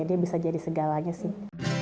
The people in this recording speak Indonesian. dia bisa jadi segalanya sih